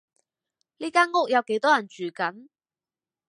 呢間屋有幾多人住緊？